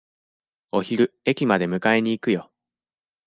お昼、駅まで迎えに行くよ。